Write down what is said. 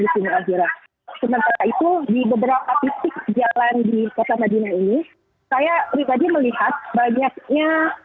di sini sementara itu di beberapa titik jalan di kota madinah ini saya pribadi melihat banyaknya